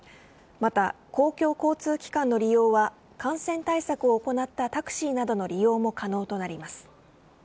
また、公共交通機関の利用は感染対策を行ったタクシーなどの利用も可能となります。